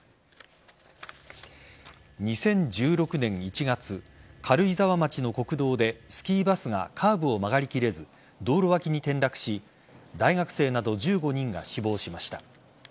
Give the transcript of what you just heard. ２０１６年１月軽井沢町の国道でスキーバスがカーブを曲がりきれず道路脇に転落し大学生など１５人が死亡しました。